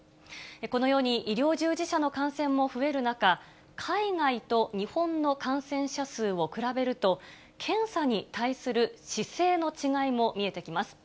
このように、医療従事者の感染も増える中、海外と日本の感染者数を比べると、検査に対する姿勢の違いも見えてきます。